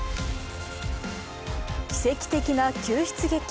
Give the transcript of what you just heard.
奇跡的な救出劇。